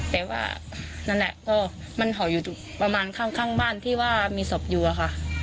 แต่ว่านั่นแหละก็มันห่ออยู่ประมาณข้างบ้านที่ว่ามีศพอยู่อะค่ะ